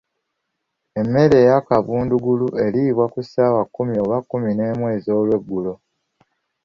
Emmere eyakabundugulu eriibwa ssaawa kkumi oba kumineemu ez'olweggulo.